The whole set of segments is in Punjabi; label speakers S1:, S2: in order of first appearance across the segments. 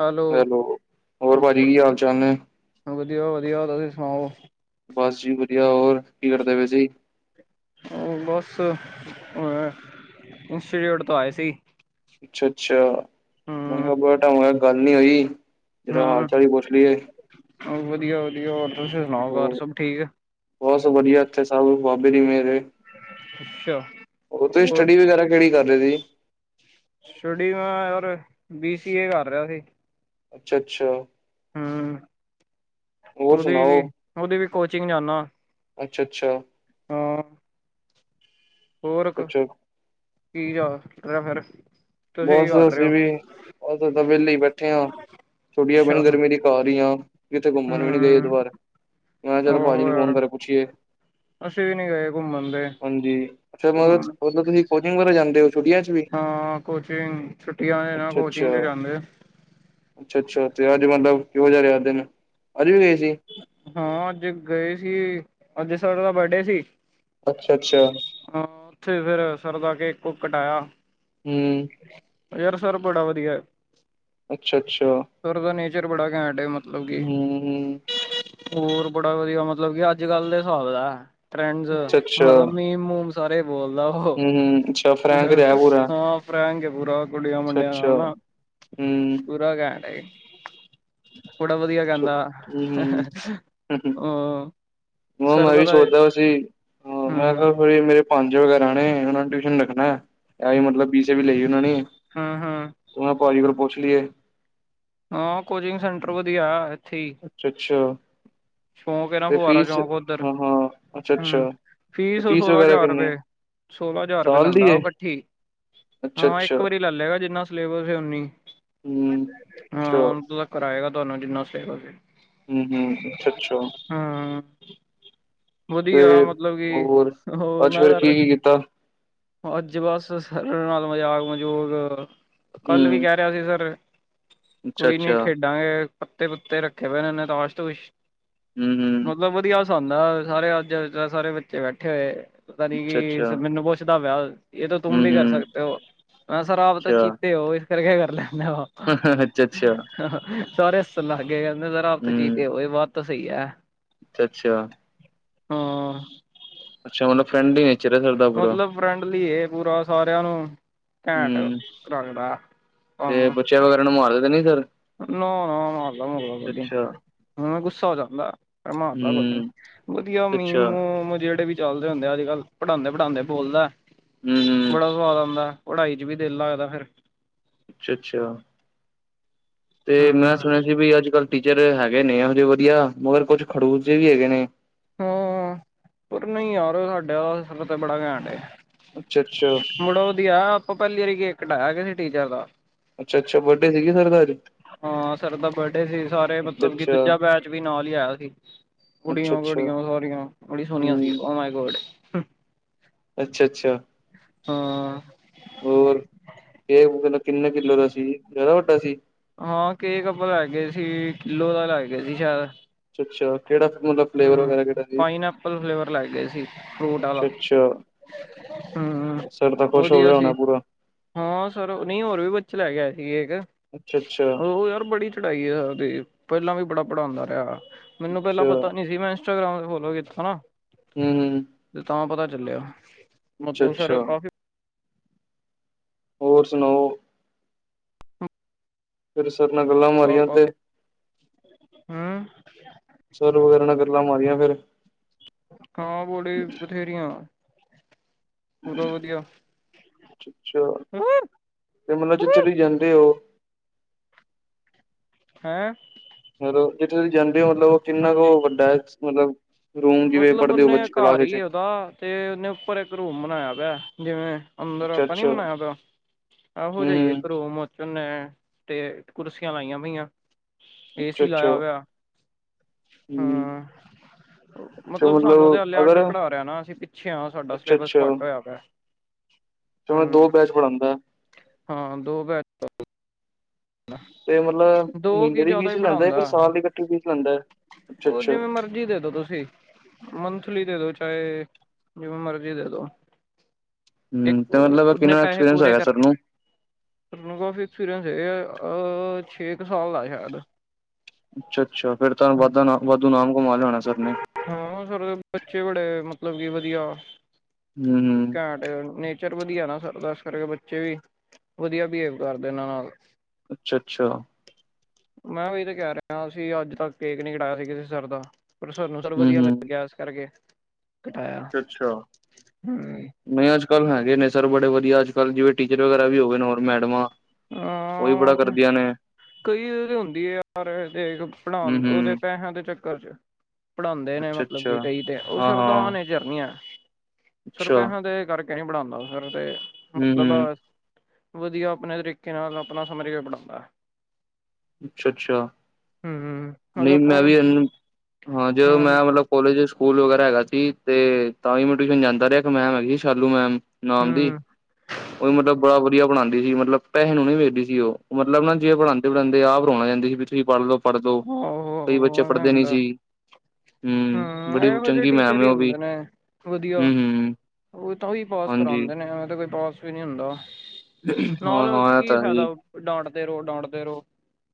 S1: ਹੈਲੋ!
S2: ਹੋਰ ਭਾਜੀ ਕੀ ਹਾਲ ਚਾਲ ਨੇ?
S1: ਵਧੀਆ-ਵਧੀਆ, ਤੁਸੀਂ ਸੁਣਾਓ?
S2: ਬਸ ਜੀ, ਵਧੀਆ ਹੋਰ ਕੀ ਕਰਦੇ ਪਏ ਸੀ
S1: ਬਸ ਅ, ਇੰਸਟੀਚਿਊਟ ਤੋਂ ਆਏ ਸੀ।
S2: ਅੱਛਾ ਅੱਛਾ ਮੈਂ
S1: ਹੂੰ,
S2: ਕਿਹਾ ਬ ਟਾਇਮ ਹੋ ਗਿਆ ਗੱਲ ਨੀ ਹੋਈ। ਜਰਾ ਹਾਲ ਚਾਲ ਹੀ ਪੁੱਛ ਲਈਏ।
S1: ਵਧੀਆ ਵਧੀਆ ਹੋਰ ਤੁਸੀ ਸੁਣਾਓ ਘਰ ਸਭ ਠੀਕ।
S2: ਬਹੁਤ ਵਧੀਆ ਇੱਥੇ ਸਭ ਬਾਬੇ ਦੀ ਮੇਰੇ ਏ
S1: ਅੱਛਾ,
S2: ਉੱਥੇ
S1: ਹੋਰ
S2: ਸਟੱਡੀ ਵਗੈਰਾ ਕਿਹੜੀ ਕਰ ਰਹੇ ਸੀ?
S1: ਸਟੱਡੀ ਮੈਂ ਯਾਰ ਬੀ ਸੀਏ ਕਰ ਰਿਹਾ ਸੀ।
S2: ਅੱਛਾ-ਅੱਛਾ।
S1: ਹਮ
S2: ਹੋਰ
S1: ਉਹਦੀ
S2: ਸੁਣਾਓ?
S1: ਵੀ ਉਹਦੀ ਵੀ ਕੋਚਿੰਗ ਜਾਂਨਾ।
S2: ਅੱਛਾ ਅੱਛਾ।
S1: ਹਾਂ। ਹੋਰ ਕ
S2: ਅੱਛਾ ਅੱਛਾ,
S1: ਕਿ ਚਲ ਰਿਯਾ ਫੇਰ।
S2: ਬਸ ਅਸੀਂ ਵੀ ਅਸੀ ਤਾਂ ਵੇਲੇ ਇ ਬੈਠੇ ਹਾਂ। ਛੁਟੀੀਆਂ
S1: ਅੱਛਾ,
S2: ਪੈਣ ਗਰਮੀ ਦੀ ਕਾਰ ਹੀ ਆ ਕਿਥੇ ਘੁੰਮਣ ਵੀ ਨਹੀਂ ਗਏ ਏਤ
S1: ਹੂੰ,
S2: ਵਾਰ। ਮੈਂ ਕਿਹਾ ਚਲ ਭਾਜੀ
S1: ਆਹੋ
S2: ਨੂੰ ਫ਼ੋਨ
S1: ਯਾਰ
S2: ਬਾਰੇ ਪੁੱਛੀਏ।
S1: ਅਸੀਂ ਵੀ ਨੀ ਗਏ ਘੁੰਮਣ ਤੇ
S2: ਹਾਂਜੀ ਅੱਛਾ
S1: ਘੁੰਮਣ
S2: ਮਤਲ-ਮਤਲਬ ਤੁਸੀਂ ਕੋਚਿੰਗ ਵਗੈਰਾ ਜਾਂਦੇ ਹੋ? ਛੁੱਟੀਆਂ ਚ ਵੀ?
S1: ਹਾਂ ਕੋਚਿੰਗ ਛੁੱਟੀਆਂ ਏ ਨਾ ਕੋਚਿੰਗ ਤੇ ਜਾਂਦੇ ।
S2: ਅੱਛਾ ਅੱਛਾ ਤੇ ਅੱਜ ਮਤਲਬ ਕਿਹੋ ਜਿਹਾ ਰਿਹਾ ਦਿਨ। ਅੱਜ ਵੀ ਗਏ। ਸੀ?
S1: ਹਾਂ ਅੱਜ ਗਏ ਸੀ। ਅੱਜ ਸਰ ਦਾ ਬਡੇ ਸੀ।
S2: ਅੱਛਾ-ਅੱਛਾ,
S1: ਹਾਂ ਉੱਥੇ ਫੇਰ ਸਰ ਦਾ ਕੇਕ ਕੁਕ ਕਟਾਇਆ।
S2: ਹਮ।
S1: ਯਾਰ ਸਰ ਬੜਾ ਵਦੀਆ ਏ
S2: ਅੱਛਾ-ਅੱਛਾ,
S1: ਸਰ ਦਾ ਨੇਚਰ ਬੜਾ ਘੈਂਟ ਹੈ ਮਤਲਬ ਕਿ
S2: ਹੂੰ-ਹੂੰ,
S1: ਹੋਰ ਬੜਾ ਵਧੀਆ ਮਤਲਬ ਕਿ ਅੱਜ ਕੱਲ ਦੇ ਹਿਸਾਬ ਦੈ। ਫਰੈਂਡਸ
S2: ਅੱਛਾ-ਅੱਛਾ, ਹੂੰ-ਹੂੰ, ਅੱਛਾ
S1: ਮਤਲਬ ਮੇਮ ਮੂਮ ਸਾਰੇ ਬੋਲਦਾ ਉਹ
S2: ਹੂੰ ਹੂੰ ਅੱਛਾ ਫਰੈਂਕ ਰਿਹਾ ਪੂਰਾ,
S1: ਹ। ਫਰੰਕ ਏ ਪੂਰਾ ਕੁੜੀਆਂ ਮੁੰਡਿਆ ਨਾਲ
S2: ਅੱਛਾ-ਅੱਛਾ,
S1: ਨਾ
S2: ਹੂੰ,
S1: ਪੂਰਾ ਘੈਂਟ ਏ ਬੜਾ ਵਧੀਆ ਗਾਂਦਾ
S2: ਹੂੰ-ਹੂੰ, ਮ ਮੈਂ ਵੀ
S1: ਸਰਵਰ
S2: ਸੋਚਦਾ ਸੀ ਹ ਮੈਂ
S1: ਹੂੰ
S2: ਅਖਆ ਕੋਈ ਮੇਰੇ ਪੰਜ ਗੈਰਾਣੇ ਉਨ੍ਹਾਂਨੂੰ ਟਿਊਸ਼ਨ ਲਗਣਾ ਐਹੀ ਮਤਲਬ ਬ ਸੀ ਏ ਵੀ ਲਈ ਉਹਨਾਂ ਨੇ ਮੈ
S1: ਹੂੰ ਹੂੰ
S2: ਕਹਿ ਪਾਜੀ ਕੋਲ ਪੁੱਛ ਲਈਏ।
S1: ਹਾਂ ਕੋਚਿੰਗ ਸੈਂਟਰ ਵਧੀਆਏ
S2: ਅੱਛਾ ਅੱਛਾ
S1: ਸ਼ੌਂਕ ਹੈ ਨਾ ਫੁਆਾਰਾ ਚੌਕ ਉੱਧਰ।
S2: ਹਾਂ-ਹਾਂ,
S1: ਹਮ
S2: ਅੱਛਾ-ਅੱਛਾ ਤੇ
S1: ਫੀਸ ਓਹ ਸੋਲਾਂ
S2: ਵਗੈਰਾ
S1: ਹਜ਼ਾਰ
S2: ਕਿੰਨੀ
S1: ਰੁਪਏ, ਸੋਲਾਂ ਹਜ਼ਾਰ ਰੁਪਏ
S2: ਸਾਲ ਦੀ
S1: ਲੈਂਦਾ
S2: ਏ?
S1: ਉਹ ਕੱਠੀ। ਹਾਂ
S2: ਅੱਛਾ-ਅੱਛਾ
S1: ਇੱਕ ਵਾਰੀ ਲੇ ਲੇਗਾ ਜਿੰਨਾ ਸਿਲੇਬਸ ਏ ਓਨੀ
S2: ਹੂੰ,
S1: ਹਾਂ
S2: ਅੱਛਾ,
S1: ਉਹ ਤਕ ਕਰਾਏਗਾ ਤੁਹਾਨੂੰ ਜਿੰਨਾ ਸਲੇਬੁਸ ਏ।
S2: ਹੂੰ-ਹੂੰ, ਅੱਛਾ-ਅੱਛਾ
S1: ਹਾਂ। ਵਧੀਆ
S2: ਤੇ
S1: ਮਤਲਬ ਕਿ
S2: ਹੋਰ
S1: ਉਹ
S2: ਅੱਜ
S1: ਮੈਂ
S2: ਫਿਰ
S1: ਯਰ
S2: ਕੀ-ਕੀ ਕੀਤਾ?
S1: ਅੱਜ ਬਸ ਨਾਲ ਮਜ਼ਾਕ- ਮਜੂਕ ਕੱਲ ਵੀ
S2: ਹੂੰ,
S1: ਕਹਿ ਰਿਹਾ ਸੀ ਸਰ ਕੋਈ ਨੀ
S2: ਅੱਛਾ-ਅੱਛਾ,
S1: ਖੇਡਾਂਗੇ ਪੱਤੇ ਪੁੱਤੇ ਰੱਖੇ ਪਏ ਨੇ ਤਾਸ਼ ਤੂਸ਼
S2: ਹੂੰ -ਹੂ
S1: ਹਾਂ ਉਂਦਾ ਸਾਰੇ ਅੱਜ ਸਾਰੇ ਬੱਚੇ ਬੈਠੇ ਹੋਏ ਪਤਾ ਨੀ
S2: ਅੱਛਾ-ਅੱਛਾ,
S1: ਕਿ ਮੈਨੂੰ ਪੁੱਛਦਾ ਵਿਆਹ ਯੇ ਤੋ ਤੁਮ ਵੀ ਕਰ
S2: ਹੂੰ-ਹੂੰ,
S1: ਸਕਦੇ ਹੋ ਮੈਂ ਸਰ ਆਪ ਤਾਂ
S2: ਅੱਛਾ।
S1: ਚੀਤੇ ਹੋ ਇਸ ਕਰਕੇ ਕਰ ਲੈ। ਮੈ ਹ
S2: ਅੱਛਾ-ਅੱਛਾ, ਹੂੰ, ਅੱਛਾ-ਅੱਛਾ, ਅੱਛਾ
S1: ਹ ਹ ਸਾਰੇ ਹੱਸਣ ਲੱਗ ਗਏ ਕਹਿੰਦੇ ਸਰ ਆਪ ਤੋਂ ਚੀਤੇ ਹੋ ਯੇ ਬਾਤ ਤੋਂ ਸਹੀ ਹੈ।
S2: ਅੱਛਾ-ਅੱਛਾ
S1: ਹਾਂ
S2: ਅੱਛਾ ਮਤਲਬ ਫਰੈਂਡ ਹੀ ਏ।
S1: ਮਤਲਬ ਫਰੈਂਡਲੀ ਯੇ ਪੂਰਾ ਸਾਰਿਆਂ ਨੂੰ ਘੈਂਟ
S2: ਹੂੰ,
S1: ਰਖਦਾ।
S2: ਤੇ ਬਚਿਆ ਵਗੈਰਾ ਨੂੰ ਮਾਰਦੇ ਤੇ ਨੀ ਸਰ
S1: ਨਾ- ਨਾ ਮਾਰਦਾ -ਮੁਰਦਾ ਕੋਈ ਨੀ
S2: ਅੱਛਾ,
S1: ਹੈ ਗੁੱਸਾ ਹੋ ਜਾਂਦਾ। ਪਰ ਮਾਰਦਾ ਕੋ ਨ
S2: ਹੂੰ,
S1: ਵਧੀਆ ਮੀ
S2: ਅੱਛਾ,
S1: ਮੋਮ ਜਿਹੜੇ ਵੀ ਚੱਲਦੇ ਹੁੰਦੇ ਆ ਅੱਜ ਕੱਲ ਪੜਾਉਂਦੇ ਪੜਾਉਂਦੇ ਬੋਲਦਾ
S2: ਹੂੰ-ਹੂੰ,
S1: ਬੜਾ ਸਵਾਦ ਆਉਂਦਾ ਪੜ੍ਹਾਈ 'ਚ ਵੀ ਦਿਲ ਲੱਗਦਾ ਫਿਰ
S2: ਅੱਛਾ -ਅੱਛਾ ਤੇ ਮੈਂ ਸੁਣਿਆ ਸੀ ਵੀ ਅੱਜ ਕੱਲ ਟੀਚਰ ਹੈਗੇ ਨੇ ਇਹੋ ਜਿਹੇ ਵਧੀਆ ਮਗਰ ਕੁਛ ਖੜੂਸ ਜੇ ਵੀ ਹੈਗੇ ਨੇ।
S1: ਹਾਂ ਪਰ ਨਹੀਂ ਯਾਰ ਸਾਡੇ ਅਸ ਤੇ ਬੜਾ ਘੈਟ ਅ
S2: ਅੱਛਾ-ਅੱਛਾ,
S1: ਮੁੜਾ ਉਹਦੀਆ ਆਪਾਂ ਪਹਿਲੀ ਵਾਰੀ ਕੇਕ ਕਟਾਇਆ ਕਿਸ ਸੀ ਟੀਚਰ ਦਾ
S2: ਅੱਛਾ-ਅੱਛਾ ਬਰਡੇ ਸੀਗੀ ਸਰ ਦਾ ਅੱਜ?
S1: ਹਾਂ ਸਰ ਦਾ ਬਰਥਡੇ ਸੀ ਸਾਰੇ ਮਤਲਬ ਕਿ
S2: ਅੱਛਾ-ਅੱਛਾ,
S1: ਦੂਜਾ ਬੈਚ ਵੀ ਨਾਲ ਹੀ ਆਇਆ ਸੀ। ਕੁੜੀਆਂ-
S2: ਅੱਛਾ-ਅੱਛਾ,
S1: ਕੁੜੀਆਂ ਸਾਰੀਆਂ ਬੜੀ ਸੋਹਣੀਆਂ ਸੀ ਉਹ ਮਏ ਗੋਡ [inaudible]
S2: ਅੱਛਾ -ਅੱਛਾ
S1: ਹਾਂ
S2: ਹੋਰ ਇਹ ਮਤਲਬ ਕਿੰਨੇ ਕਿੱਲੋ ਦਾ ਸੀ ਜ਼ਿਆਦਾ ਵੱਡਾ ਸੀ।
S1: ਹਾਂ ਕੇਕ ਲੈ ਗਏ ਸੀ ਕਿੱਲੋ ਦਾ ਲੈ ਗਏ ਸੀ ਸ਼ਾਇਦ
S2: ਅੱਛਾ-ਅੱਛਾ ਕਿਹੜਾ ਮਤਲਬ ਫਲੇਵਰ ਵਗੈਰਾ
S1: ਹੂੰ
S2: ਕਿਹੜਾ ਸੀ?
S1: ਪਾਈਨ ਐਪਲ ਫਲੇਵਰ ਲੈ ਗਏ ਸੀ ਫਰੂਟ ਵਾਲਾ
S2: ਅੱਛਾ-ਅੱਛਾ
S1: [inaudible]
S2: ਸਰ ਤਾਂ ਖੁਸ਼ ਹੋ
S1: ਵਧੀਆ
S2: ਗਿਆ
S1: ਸੀ
S2: ਹੋਣਾ ਪੂਰਾ
S1: ਹਾਂ ਸਰ ਨਹੀਂ ਹੋਰ ਵੀ ਬੱਚੇ 'ਚ ਲੈ ਗਿਆ ਸੀਗੇ ਇੱਕ
S2: ਅੱਛਾ-ਅੱਛਾ,
S1: ਉਹ ਯਾਰ ਬੜੀ ਚੜਾਈ ਹੈ ਸਰ ਦੀ ਪਹਿਲਾਂ ਵੀ ਬੜਾ ਪੜਾਉਂਦਾ ਰਿਹਾ ਵ
S2: ਅੱਛਾ
S1: ਇੰਸਟਾਗ੍ਰਾਮ ਤੇ ਫੋਲੋ ਕੀਤਾ ਨਾ
S2: ਹੂੰ -ਹੂੰ
S1: ਤੇ ਤਾਂ ਪਤਾ ਚੱਲਿਆ ਮਤਲਬ ਸਰ
S2: ਅੱਛਾ-ਅੱਛਾ
S1: ਕਾਫੀ
S2: ਹੋਰ ਸੁਣਾਓ। ਫਿਰ ਸਰ ਨਾਲ ਗੱਲਾਂ ਮਾਰੀਆਂ ਤੇ
S1: ਹੂੰ
S2: ਸਰ ਵਗੈਰਾ ਨਾਲ ਗੱਲਾਂ ਮਾਰੀਆਂ ਫੇਰ
S1: ਹਾਂ ਬੜੀ
S2: [inaudible]
S1: ਉਹਦੋ ਵਧੀਆ
S2: ਅੱਛਾ ਤੇ ਮਤਲਬ ਜਿੱਥੇ ਤੁਸੀ ਜਾਂਦੇ ਹੋ।
S1: ਹੈਂ
S2: ਮਤਲਬ ਜਿਥੇ ਤੁਸੀਂ ਜਾਂਦੇ ਹੋ ਮਤਲਬ ਉਹ ਕਿੰਨਾ ਕੁ
S1: ਹਾਂਜੀ
S2: ਉਹ ਵੱਡਾ ਹੈ ਮਤਲਬ ਰੂਮ ਜਿਵੇਂ
S1: ਮਤਲਬ
S2: ਪੜ੍ਹਦੇ ਹੋ
S1: ਓਨੇ
S2: ਬੱਚੇ ਕਲਾਸ
S1: ਘਰ
S2: ਵਿੱਚ
S1: ਹੀ ਉਹਦਾ ਤੇ ਉਹਨੇ ਉੱਪਰ ਇੱਕ ਰੂਮ ਬਣਾਇਆ ਪਿਆ ਜਿਵੇਂ ਅੰਦਰ ਆਪਾਂ ਨੀ
S2: ਅੱਛਾ-ਅੱਛਾ,
S1: ਬਨਾਇਆ ਤ ਆਹੋ ਜਾਈਏ
S2: ਹੂੰ,
S1: ਇੱਕ ਰੂਮ ਤੇ ਕੁਰਸੀਆਂ ਲਾਈਆਂ ਪਈਆਂ ਏਸੀ
S2: ਅੱਛਾ-ਅੱਛਾ,
S1: ਲਾਇਆ ਹੋਇਆ।
S2: ਹੂੰ
S1: ਹਾਂ
S2: ਅੱਛਾ
S1: ਮਤਲਬ ਸਾਨੂੰ ਤੇ ਹਲੇੇ ਅੱਡ
S2: ਅਗਰ
S1: ਪੜ੍ਹਾ ਰਿਹਾ ਨਾ ਅਸੀਂ ਪਿੱਛੇ ਹ ਸਾਡਾ ਸਿਲੇਬਸ ਘੱਟ ਹੋਇਆ ਪਿਆ।
S2: ਜਿਵੇ ਦੋ
S1: ਹੂੰ
S2: ਬੈਚ ਪੜਉਂਦਾ।
S1: ਹਾਂ ਦੋ
S2: ਤੇ ਮਤਲਬ
S1: ਦੋ
S2: ਮਹੀਨੇ
S1: ਕੀ
S2: ਦੀ
S1: ਜ਼ਿਆਦਾ
S2: ਫੀਸ
S1: ਹੀ
S2: ਵੀ ਲੈਂਦਾ ਹੈ ਫਿਰ
S1: ਪੜ੍ਹਾਉਂਦਾ
S2: ਸਾਲ ਦੀ ਇਕੱਠੀ ਫੀਸ ਲੈਂਦਾ ਹੈ।
S1: ਉਹ ਜਿਵੇਂ ਮਰਜ਼ੀ ਦੇਦੋ ਤੁਸੀਂ। ਮੰਥਲੀ ਦੇ ਦੋ ਚਾਹੇ ਜਿਵੇਂ ਮਰਜ਼ੀ ਦੇ ਦੋ।
S2: ਹੂੰ ਤੇ ਮਤਲਬ
S1: ਨੇ
S2: ਕਿੰਨਾ
S1: ਪੈਸੇ
S2: ਐਕਸਪੀਰੀਅੰਸ
S1: ਪੂਰੇ
S2: ਹੈਗਾ ਸਰ ਨੂੰ
S1: ਕਰਨੇ। ਅਹ ਛੇ ਕੁ ਸਾਲ ਦਾ ਸ਼ਾਇਦ।
S2: ਅੱਛਾ -ਅੱਛਾ ਫੇਿਰ ਤੁਹੂੰ ਵਧ ਨ ਵਾਧੂ ਨਾ।
S1: ਹਾਂ ਸਰ ਬੱਚੇ ਬੜੇ ਮਤਲਬ ਕੀ ਵਧੀਆ।
S2: ਹੂੰ-ਹੂੰ
S1: ਕੈਡ ਨੇਚਰ ਵਧੀਆ ਨਾ। ਸਰ ਦੱਸ ਕਰਕੇ ਬੱਚੇ ਵੀ ਵਧੀਆ ਬਿਹੇਵ ਕਰਦੇ ਇਹਨਾਂ ਨਾਲ।
S2: ਅੱਛਾ -ਅੱਛਾ।
S1: ਮੈਂ ਵੀ ਇਹ ਤੇ ਕਹਿ ਰਿਹਾ ਸੀ ਅੱਜ ਤੱਕ ਕੇਕ ਨੀ ਕਟਾਇਆ ਸੀ ਕਿਸੇ ਸਰ ਦਾ ਪਰ ਤੁਹਾਨੂੰ ਸਰ ਵਧੀਆ ਲੱਗ ਗਿਆ ਇਸ ਕਰਕੇ ਕਟਾਇਆ
S2: ਅੱਛਾ
S1: ਹੂੰ
S2: ਨਹੀਂ ਅੱਜ। ਅਕਲ ਹੈਗੇ ਨੇ ਸਰ ਬੜੇ ਵਧੀਆ ।ਅਜ ਕੱਲ੍ਹ ਜਿਵੇਂ ਟੀਚਰ ਵਗੈਰਾ ਵੀ ਹੋਵੇ ਨੇ ਹੋਰ ਮੈਡਮਾਂ। ਓਈ ਬੜਾ
S1: ਹਾਂ
S2: ਕਰਦੀਆਂ ਨੇ।
S1: ਕਈ ਹੁੰਦੀ ਏ ਯਾਰ ਦੇਖ ਪੜਾਣ ਉਦੇ
S2: ਹੂੰ-ਹੂੰ
S1: ਪੈਹਿਆਂ ਦੇ ਚੱਕਰ 'ਚ। ਪੜ੍ਹਾਂਦੇ ਨੇ ਮਤਲਬ
S2: ਅੱਛਾ-ਅੱਛਾ
S1: ਕਿ ਕਈ ਤੇ ਓ ਸਰ
S2: ਹਾਂ-ਹਾਂ
S1: ਦਾਨ'ਚ। ਝਰਨੀਆਂ ।ਸਰ
S2: ਅੱਛਾ
S1: ਪੈਸਾਂ ਦੇ ਕਰਕੇ ਨੀ ਪੜਾਂਦਾ। ਸਰ। ਤੇ
S2: ਹੂੰ-ਹੂੰ
S1: ਮਤਲਬ ਵਧੀਆ ਆਪਣੇ ਤਰੀ। ਕਿ ਨਾਲ ਆਪਣਾ ਸਮਝ ਕੇ ਪੜਾਂਦਾ।
S2: ਅੱਛਾ ਅੱਛਾ। ਨਈ
S1: ਹੂੰ
S2: ਮੈਂ ਵੀ
S1: ਉਹ
S2: ਏਨ ਹਾਂ ਜਦੋ ਮੈਂ ਮਤਲਬ ਕੋਲੇਜ'ਚ। ਸਕੂਲ ਵਗੈਰਾ ਹੈਗਾ ਸੀ ਤੇ ਤਾਂ ਈ ਮੈਂ ਟਿਊਸ਼ਨ ਜਾਂਦਾ ਰਿਆ ਏਕ ਮੈਮ ਹੈ ਸੀ ਸ਼ਾਲੂ ਮੈਮ। ਨਾਮ ਦੀ
S1: ਹੂੰ
S2: ਉਹ ਵੀ ਮਤਲਬ ਬੜਾ ਵਧੀਆ। ਵਧੀਆ ਪੜਾਂਦੀ ਸੀ। ਮਤਲਬ ਪੈਹੇ ਨੂੰ ਨੀ ਵੇਖਦੀ ਸੀ ਓ ।ਮਤਲਬ ਨਾ ਜੇ ਪੜਾਂਦੇ-ਪੜਾਂਦੇ ਆਪ ਰੋਣ ਲਗ ਜਾਂਦੀ ਸੀ ਵੀ ਤੁਸੀਂ ਪੜ੍ਹ ਲੋ। ਪੜ੍ਹਦੋ
S1: ਆਹੋ
S2: ।ਕਈ
S1: ਆਹੋ
S2: ਬੱਚੇ
S1: ਐਵੇਂ
S2: ਪੜ੍ਹਦੇ ਨੀ
S1: ਹੁੰਦਾ
S2: ਸੀ। ਹਮ
S1: ਹੂੰ।
S2: ਬੜੀ
S1: ਏਹੋ ਜਏ
S2: ਚੰਗੀ ਮੈਮ
S1: ਟੀਚਰ
S2: ਹੈ
S1: ਈ
S2: ਉਹ ਵੀ
S1: ਹੁੰਦੇ ਨੇ ਵਧੀਆ।
S2: ਹਮ ਹਮ
S1: ਓ ਤਾਂ ਓਈ ਪਾਸ
S2: ਹਾਂਜੀ
S1: ਕਰਾਂਦੇ ਨੇ ਏਵੇਂ ਤਾਂ ਕੋਈ ਪਾਸ ਵੀ ਨੀ ਹੁੰਦਾ।
S2: ਹਾਂ
S1: ਨਾਲ ਓਕੇ 'ਚ
S2: ਹਾਂ ਇਹ
S1: ਕੀ
S2: ਤਾਂ ਹੈ ਜੀ
S1: ਫਾਇਦਾ ਡਾਂਟ। ਦੇ ਰੋ। ਡਾਂਟਦੇ ਰੋ।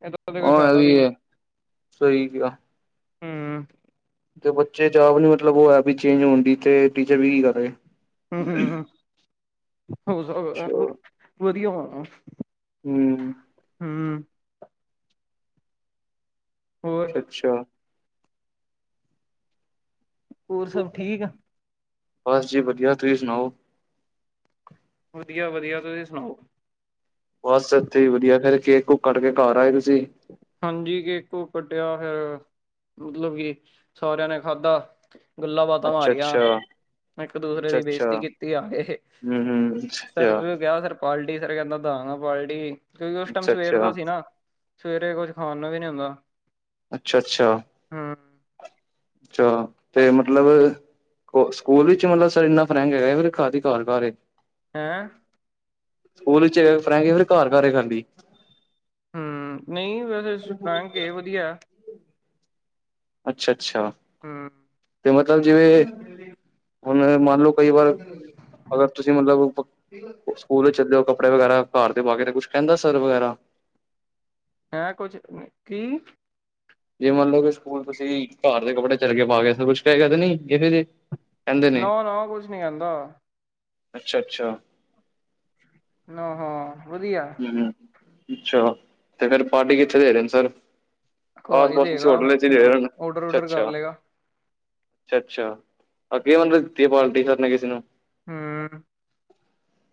S1: ਏਦਾ ਤੇ ਕੋਈ ਫੈਦਾ ਵੀ ਨੀ।
S2: ਸਈ ਕਿਆ।
S1: ਹੂੰ।
S2: ਤੇ ਬੱਚੇ ਜਾਬ ਨੀ ਮਤਲਬ ਓ ਹੈ ਵੀ ਚੇਂਜ ਹੋਣ ਦੀ ਤੇ ਟੀਚਰ ਵੀ ਕੀ ਕਰ ਰੇ।
S1: ਹੂੰ ਹੂੰ ਹੂ ਹੋ
S2: ਅੱਛਾ
S1: ਸਭ ਵਧੀਆ ਹੋਣਾ।
S2: ਹੂੰ।
S1: ਹੂੰ। ਹੋਰ
S2: ਅੱਛਾ ।
S1: ਹੋਰ ਸਭ ਠੀਕ ਆ।
S2: ਬਸ ਜੀ ਵਧੀਆ ਤੁਸੀਂ ਸੁਣਾਓ।
S1: ਵਧੀਆ ਵਧੀਆ ਤੁਸੀਂ ਸੁਣਾਓ।
S2: ਬਸ ਏਥੇ ਞੀ ਵਧੀਆ ਫੇਰ ਕੇਕ ਕੁ ਕਟ ਕੇ ਘਰ ਆਏ ।
S1: ਹਾਂਜੀ ਕੇਕ ਕੂ ਕੱਟਿਆ ਫੇਰ। ਮਤਲਬ ਕਿ ਸਾਰਿਆਂ ਨੇ ਖਾਧਾ। ਗੱਲਾਂ ਬਾਤਾਂ
S2: ਅੱਛਾ
S1: ਮਾਰੀਆਂ।
S2: ਅੱਛਾ
S1: ਏਕ ਦੂਸਰੇ
S2: ਅੱਛਾ
S1: ਦੀ
S2: ਅੱਛਾ
S1: ਬੇਸਤੀ ਕੀਤੀ ਇਹ
S2: ਹਮ ਹਮ ਅੱਛਾ
S1: ਸਰਵਜੋਤ ਕਿਆ ਫੇਰ ਪਾਲਟੀ। ਟੀ ਸਰ ਕਹਿੰਦਾ ਦਾਂਗਾ ਪਾਲਟੀ ਕਿਉਂਕਿ ਓਸ ਟੈਮ
S2: ਅੱਛਾ ਅੱਛਾ
S1: ਸਵੇਰ ਦਾ ਸੀ
S2: ਅੱਛਾ
S1: ਨਾ। ਸਵੇਰੇ ਕੁਝ ਖਾਣ ਨੂੰ ਵੀ ਨੀ ਹੁੰਦਾ।
S2: ਅੱਛਾ ਅੱਛਾ।
S1: ਹਮ
S2: ਚਲੋ ਤੇ ਮਤਲਬ ਸਕੂਲ ਵਿੱਚ ਮਤਲਬ ਸਰ ਏਨਾ ਫਰੈਂਕ ਹੈਗਾ, ਖਾਧੀ ਘਰ ਘਰ ਏ।
S1: ਹੈਂ,
S2: ਸਕੂਲ ਵਿਚ ਹੈਗਾ, ਫਰੈਂਗ ਫੇਰ ਘਰ- ਘਰ ਏ ਖਾਲੀ
S1: ਹੂੰ -ਨਈ ਵੈਸੇ ਫਰੈਂਕ ਏ ਵਧੀਆ।
S2: ਅੱਛਾ -ਅੱਛਾ,
S1: ਹੂੰ,
S2: ਤੇ ਮਤਲਬ ਜਿਵੇਂ- ਹੁਣ ਮੰਨ ਲਓ ਕਈ ਵਾਰ ਅਗਰ ਤੁਸੀਂ ਮਤਲਬ ਸਕੂਲ ਚ ਚੱਲੇ ਓ ਕੱ ਕੱਪੜੇ ਵਗੈਰਾ ਘਰ ਦੇ ਪਾਗੇ, ਤੇ ਕੁਛ ਕਹਿੰਦਾ ਸਰ ਵਗੈਰਾ।
S1: ਹੈਂ, ਕੁਛ ਕੀ-
S2: ਜੇ ਮੰਨ ਲਓ ਕਿ ਸਕੂਲ ਤੁਸੀਂ ਘਰ ਦੇ ਕੱਪੜੇ ਚੱਲਗੇ ਪਾ ਕੇ, ਫੇਰ ਕੁਛ ਕਹੇਗਾ ਤੇ ਨੀ ਜੇ
S1: ਨਾ- ਨਾ ਕੁਛ ਨੀ ਕਹਿੰਦਾ।
S2: ਅੱਛਾ -ਅੱਛਾ।
S1: ਨਾ ਹਾਂ ਵਧੀਐ।
S2: ਹਮ ਅੱਛਾ ਤੇ ਫੇਰ ਪਾਰਟੀ ਕਿੱਥੇ ਦੇ ਰੇ ਨੇ ਸਰ।
S1: ਘਰ
S2: ਆਸ
S1: ਹੀ
S2: ਪਾਸ ਕਿਸੇ
S1: ਦੇਗਾ
S2: ਹੋਟਲ ਵਿਚ ਦੇ ਦੇਣ, ਅੱਛਾ
S1: ਔਡਰ-ਉਡਰ
S2: ਅੱਛਾ
S1: ਕਰ
S2: ।
S1: ਲਏਗਾ
S2: ਅੱਛਾ- ਅੱਛਾ ਅਗੇ ਓਨੇ ਦਿੱਤੀ ਪਾਲਟੀ ਸਰ ਨੇ ਕਿਸੇ ਨੂੰ।
S1: ਹੂੰ,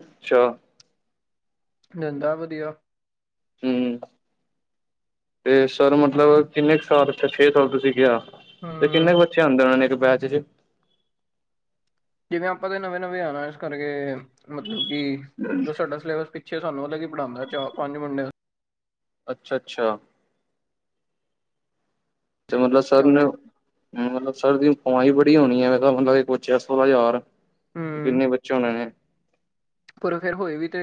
S2: ਅੱਛਾ।
S1: ਨੰਦਾ ਵਧੀਆ।
S2: ਹੂੰ ਤੇ ਸਰ ਮਤਲਬ ਕਿੰਨੇ ਕੇ ਸਾਲ ਉੱਥੇ, ਛੇ ਸਾਲ ਤੁਸੀਂ ਕਿਹਾ। ਤੇ
S1: ਹੂੰ,
S2: ਕਿੰਨੇ ਕੁ ਬੱਚੇ ਆਂਦੇ ਉਹਨਾਂ ਦੇ ਇੱਕ ਬੈਚ ਚ।
S1: ਜਿਵੇਂ ਆਪਾਂ ਤੇ ਨਵੇਂ -ਨਵੇਂ ਆਣਾ, ਇਸ ਕਰਕੇ ਮਤਲਬ ਕਿ ਜੋ ਸਾਡਾ ਸਿਲੇਬਸ ਪਿੱਛੇ ਸਾਨੂੰ ਅਲੱਗ ਹੀ ਪੜਾਂਦਾ ਚਾਰ ਪੰਜ ਮੁੰਡੇ
S2: ਅੱਛਾ -ਅੱਛਾ। ਤੇ
S1: ਸੀ
S2: ਮਤਲਬ ਸਰ
S1: ਪਿੱਛੇ
S2: ਨੂੰ
S1: ਉਹਨੇ
S2: ਮਤਲਬ ਸਰ ਦੀ ਕਮਾਈ ਬੜੀ ਹੋਣੀ ਐ, ਮੈਂ ਕਿਹਾ ਮਤਲਬ ਇੱਕ ਬੱਚੇ ਦਾ ਸੋਲ੍ਹਾ ਹਜ਼ਾਰ
S1: ਹੂੰ,
S2: ਕਿੰਨੇ ਬੱਚੇ ਹੋਣੇ ਨੇ।
S1: ਪਰ ਫਿਰ ਹੋਏ ਵੀ ਤੇ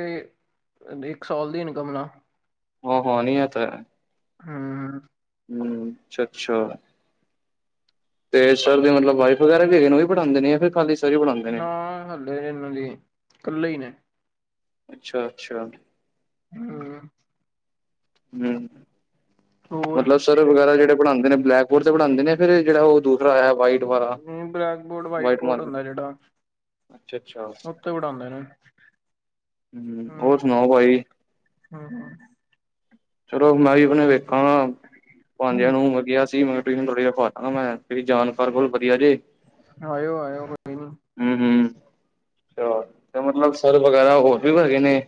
S1: ਇੱਕ ਸਾਲ ਦੀ ਇਨਕਮ ਨਾ।
S2: ਹਾਂ-ਹਾਂ ਨਈ ਇਹ ਤਾਂ ਹੈ।
S1: ਹੂੰ, ਹੂੰ ।
S2: ਹੂੰ, ਅੱਛਾ-ਅੱਛਾ। ਤੇ ਸਰ ਦੀ ਮਤਲਬ ਵਾਈਫ ਵਗੈਰਾ ਵੀ ਹੈਗੇ ਨੇ, ਉਹ ਵੀ ਪੜਾਂਦੇ ਨੇ ਜਾਂ ਫਿਰ ਖਾਲੀ ਸਰ ਹੀ ਪੜ੍ਹਾਂਦੇ
S1: ਨਾ,
S2: ਨੇ
S1: ਹਲੇੇ ਇਹਨਾਂ ਦੀ ਕੱਲ੍ਹੇ ਹੀ ਨੇ।
S2: ਅੱਛਾ-ਅੱਛਾ।
S1: ਹੂੰ।
S2: ਹੂੰ,
S1: ਹੋਰ
S2: ਮਤਲਬ ਸਰ ਵਗੈਰਾ ਜਿਹੜੇ ਪੜਾਂਦੇ ਨੇ ਬਲੈਕ ਬੋਰਡ ਤੇ ਪੜਾਂਦੇ ਨੇ, ਫਿਰ ਜਿਹੜਾ ਉਹ ਦੂਸਰਾ ਹੈ ਵਾਈਟ ਵਾਲਾ
S1: ਹੂੰ ਬਲੈਕ ਬੋਰਡ, ਵਾਈਟ ਬੋਰਡ ਹੁੰਦਾ ਹੈ ਜਿਹੜਾ।
S2: ਅੱਛਾ
S1: ਉੱਥੇ ਪੜਾਂਦੇ ਨੇ।
S2: ਹੂੰ ਹੋਰ ਸੁਣਾਓ ਭਾਜੀ।
S1: ਹੂੰ, ਹੂੰ।
S2: ਚਲੋ ਮੈਂ ਵੀ ਹੁਣ ਵੇਖਾਂ ਭਾਂਜਿਆਂ ਨੂੰ ਲੱਗਿਆ ਸੀ ਮੈਂ ਟ੍ਰੇਨਿੰਗ ਚਲ ਰਹੀ [unintelligible] ਤੇਰੀ ਜਾਣ [unintelligible] ਵਧੀਆ ਜੇ।
S1: ਆਇਓ- ਆਇਓ ਕੋਈ ਨਾ।
S2: ਹਮ ਹਮ
S1: [unintelligible]
S2: ਤੇ ਮਤਲਬ ਸਰ ਵਗੈਰਾ ਹੋਰ ਵੀ ਹੈਗੇ ਨੇ,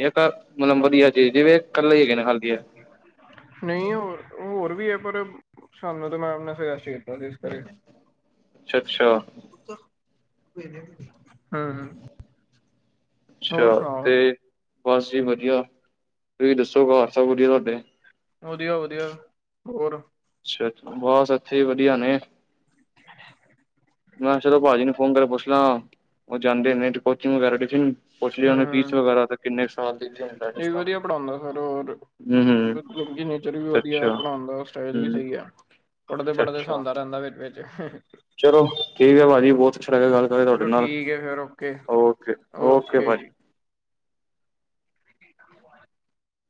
S2: ਜਾਂ ਘਰ ਮਤਲਬ ਵਧੀਆ ਜੀ ਜਿਵੇਂ ਕੱਲੇ ਹੀ ਹੈਗੇ ਨੇ ਹਲ
S1: ਨਹੀਂ ਹੋਰ-ਹੋਰ ਵੀ ਐ। ਪਰ ਸਾਨੂੰ ਤੇ ਮੈਮ ਨੇ ਫੇਰ [unintelligible] ਇਸ ਘਰੇ
S2: ਅੱਛਾ-ਅੱਛਾ
S1: ਪੁੱਤਰ [inaudible] ਹੂੰ-ਹੂੰ
S2: ਅੱਛਾ ਤੇ ਬਸ ਜੀ ਵਧੀਆ ਤੁਸੀਂ ਦੱਸੋ ਘਰ ਸਭ ਵਧੀਆ ਤੁਹਾਡੇ
S1: ਵਧੀਆ ਵਧੀਆ ਹੋਰ
S2: ਅੱਛਾ, ਬਸ ਇੱਥੇ ਵਧੀਆ ਨੇ।
S1: [inaudible]
S2: ਮੈਂ ਕਿਹਾ ਚਲੋ ਭਾਜੀ ਨੂੰ ਫੋਨ ਕਰਕੇ ਪੁੱਛ ਲਾਂ ਉਹ ਜਾਂਦੇ ਨ ਨੇਟ ਕੋਚਿੰਗ ਵਗੈਰਾ [unintelligible] ਪੁੱਛ ਲਿਆ ਮੈਂ ਫੀਸ
S1: ਹੂੰ
S2: ਵਗੈਰਾ ਦਾ ਕਿੰਨੇ ਸਾਲ ਦੀ ਕਿਸ
S1: ਇਹ
S2: ਤਰਾਂ
S1: ਵਧੀਆ
S2: ਹੂੰ- ਹੂੰ।
S1: ਉਹਦੀ ਨੇਚਰ ਵੀ ਵਧੀਆ ਹੈ
S2: ਅੱਛਾ
S1: ਪੜਉਣ ਦਾ ਸਟਾਈਲ ਵੀ
S2: ਹੂੰ
S1: ਸਹੀ ਹੈ ਪੜ੍ਹਦੇ ਪੜ੍ਹਦੇ
S2: ਅੱਛਾ
S1: ਹਸਾਉਂਦਾ ਰਹਿੰਦਾ ਵਿਚ -ਵਿਚ [inaudible]
S2: ਚਲੋ ਠੀਕ ਹੈ ਭਾਜੀ ਬਹੁਤ ਅੱਛਾ ਫਿਰ ਗੱਲ ਕਰਨਾ ਤੁਹਾਡੇ
S1: ਚਲੋ
S2: ਨਾਲ
S1: ਠੀਕ ਹੈ ਫਿਰ ਓਕੇ
S2: ਓਕੇ- ਓਕੇ ਭਾਜੀ।
S1: [inaudible]